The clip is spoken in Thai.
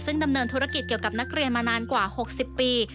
ซึ่งดำเนินธุรกิจเกี่ยวกับนักเรียนมานานกว่า๖๐ปี